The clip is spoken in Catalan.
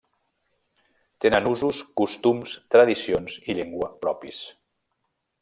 Tenen usos, costums, tradicions i llengua propis.